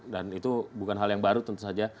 dan itu bukan hal yang baru tentu saja